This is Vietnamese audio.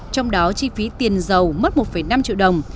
trong đó chi phí tiền giàu mất một năm triệu đồng